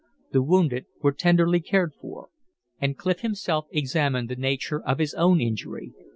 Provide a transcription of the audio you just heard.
The wounded were tenderly cared for, and Clif himself examined the nature of his own injury.